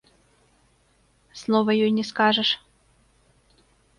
Слова ёй не скажаш.